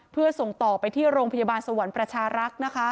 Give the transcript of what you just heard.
เพื่อส่งต่อไปที่โรงพยาบาลสวรรค์ประชารักษ์นะคะ